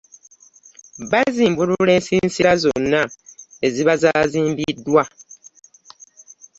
Bazimbulula ensiisira zonna eziba zaazimbiddwa.